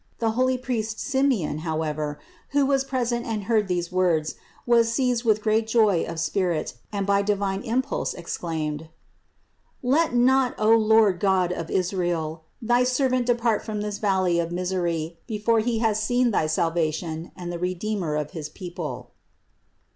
The holy priest Simeon, however, who was present and heard these words, was seized with great joy of spirit and by divine impulse exclaimed: "Let not, O Lord God of Israel, thy servant depart from this valley of misery before he has seen thy salvation and the Redeemer of his people."